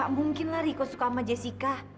gak mungkin lah riko suka sama jessica